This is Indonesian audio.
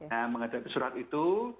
nah menghadapi surat itu